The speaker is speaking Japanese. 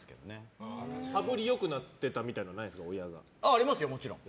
ありますよ、もちろん。